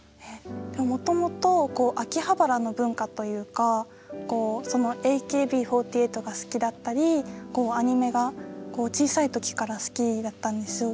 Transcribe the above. もともと秋葉原の文化というかＡＫＢ４８が好きだったりアニメが小さい時から好きだったんですよ。